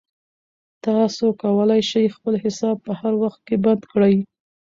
تاسو کولای شئ خپل حساب په هر وخت کې بند کړئ.